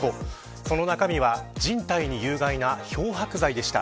その中身は人体に有害な漂白剤でした。